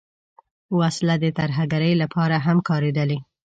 وسله د ترهګرۍ لپاره هم کارېدلې